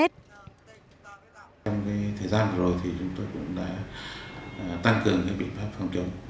trong thời gian vừa rồi thì chúng tôi cũng đã tăng cường biện pháp phòng chống